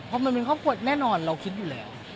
เพราะมันเป็นครอบครัวแน่นอนเราคิดอยู่แล้ว